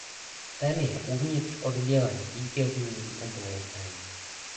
Ten je uvnitř oddělen vítězným obloukem.